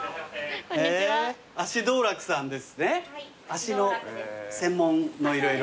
足の専門の色々。